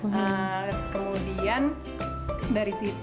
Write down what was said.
nah kemudian dari situ